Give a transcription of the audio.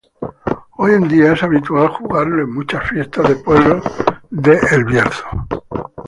Hoy en día es habitual jugarlo en muchas fiestas de pueblos de El Bierzo.